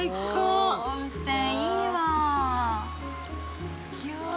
温泉、いいわ。